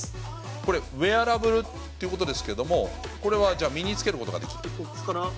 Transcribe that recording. これ、ウエアラブルということですけれども、これはじゃあ、身につけることができる？